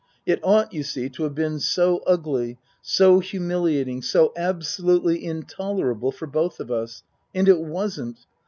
It ought, you see, to have been so ugly, so humiliating, so absolutely intolerable for both of us. And it wasn't.